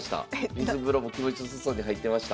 水風呂も気持ち良さそうに入ってました。